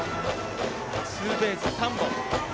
ツーベース３本。